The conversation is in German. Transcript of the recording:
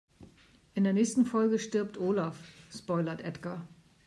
In der nächsten Folge stirbt Olaf, spoilert Edgar.